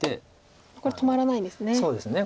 これ止まらないですね。